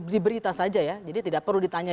diberita saja ya jadi tidak perlu ditanya